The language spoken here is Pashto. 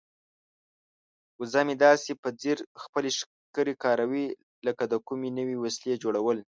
وزه مې داسې په ځیر خپلې ښکرې کاروي لکه د کومې نوې وسیلې جوړول.